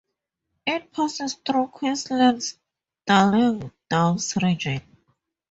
It passes through Queensland's Darling Downs region.